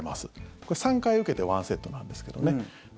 これ、３回受けて１セットなんですけどね。